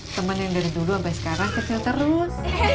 temen yang dari dulu sampai sekarang kecil terus